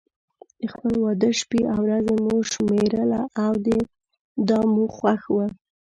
د خپل واده شپې او ورځې مو شمېرله او دا مو خوښ و.